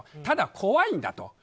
ただ怖いんだと。